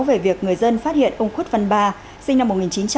về việc người dân phát hiện ông khuất văn ba sinh năm một nghìn chín trăm sáu mươi bảy